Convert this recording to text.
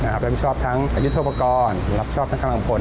รับผิดชอบทั้งอายุทุปกรณ์รับชอบทั้งกำลังพล